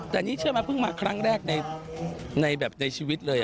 แต่นี่เชื่อไหมเพิ่งมาครั้งแรกในแบบในชีวิตเลย